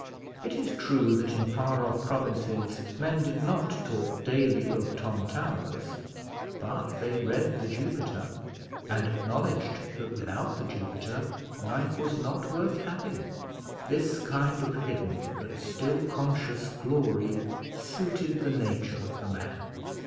It is true that in far off provinces men did not talk daily of Tom Towers but they read The Jupiter, and acknowledged that without The Jupiter life was not worth having. This kind of hidden but still conscious glory suited the nature of the man.